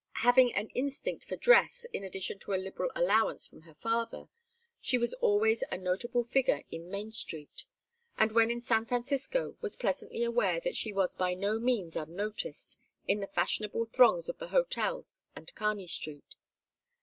Having an instinct for dress in addition to a liberal allowance from her father, she was always a notable figure in Main Street; and when in San Francisco was pleasantly aware that she was by no means unnoticed in the fashionable throngs of the hotels and Kearny Street.